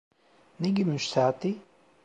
Ne gümüş saati…